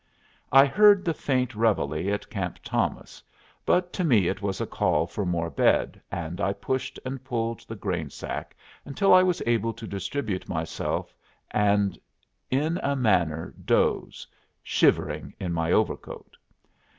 I heard the faint reveille at Camp Thomas, but to me it was a call for more bed, and I pushed and pulled the grain sack until I was able to distribute myself and in a manner doze, shivering in my overcoat.